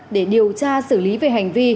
để điều tra xử lý về hành vi